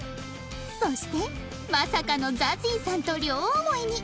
そしてまさかの ＺＡＺＹ さんと両思いに